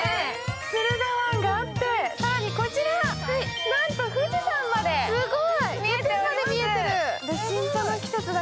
駿河湾があって、更にこちら、なんと富士山まで見えてます。